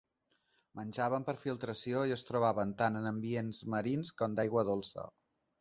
Menjaven per filtració i es trobaven tant en ambients marins com d'aigua dolça.